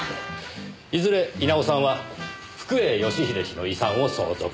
いずれ稲尾さんは福栄義英氏の遺産を相続する。